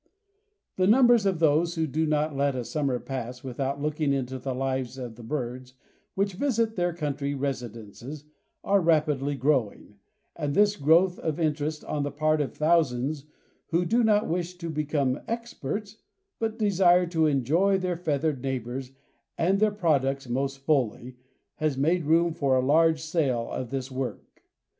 The numbers of those who do not let a summer pass without looking into the lives of the birds which visit their country residences are rapidly growing, and this growth of interest on the part of thousands who do not wish to become experts but desire to enjoy their feathered neighbors and their products most fully, has made room for a large sale of this work.